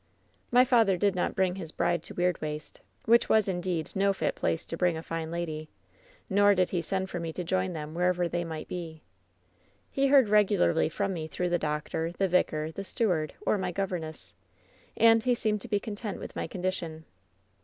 "My father did not bring his bride to Weirdwaste, which was, indeed, no fit place to bring a fine lady. WHEN SHADOWS DEE 148 Nor did he send for me to join them wherever they mi^ht be. "He heard regularly from me through the doctor, the vicar, the steward, or my governess. And he seemed to be content with my condition.